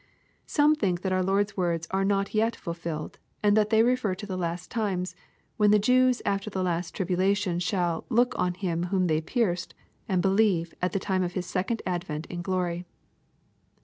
Some think that our Lord's words are not yet fulfilled, and that they refer to the last times, when the Jews after their last tribula tion shall " look on Him, whom they pierced," and believe, at the time of His second advent in glory.